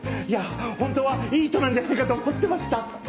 いやホントはいい人なんじゃないかと思ってました！